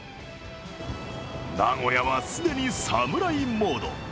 名古屋は既に侍モード。